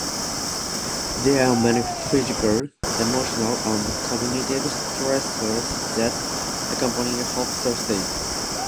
There are many physical, emotional, and cognitive stressors that accompany a hospital stay.